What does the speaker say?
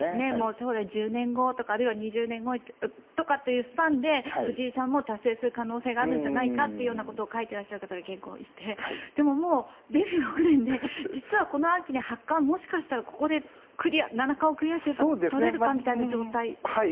将来１０年後とか２０年後というスパンで藤井さんも達成する可能性があるんじゃないかということを書いている方が結構いてでも、もうデビュー６年で実はこの秋で八冠がもしかしたらここで七冠をクリアしたら取れるかという状態ですよね？